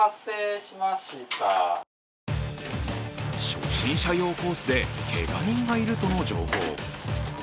初心者用コースでけが人がいるとの情報。